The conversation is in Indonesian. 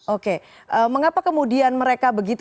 oke mengapa kemudian mereka begitu